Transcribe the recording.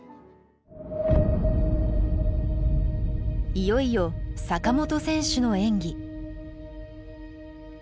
いよいよ坂本選手の演技。